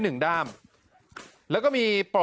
เฮ้ยเฮ้ยเฮ้ย